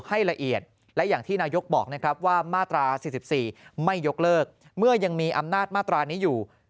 ให้ละเอียดและอย่างที่นายกบอกนะครับว่ามาตรา๔๔ไม่ยกเลิกเมื่อยังมีอำนาจมาตรานี้อยู่